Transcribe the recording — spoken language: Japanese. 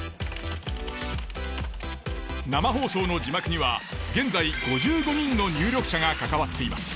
生放送の字幕には現在５５人の入力者が関わっています。